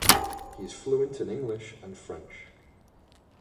He is fluent in English and French.